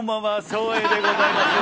照英でございます。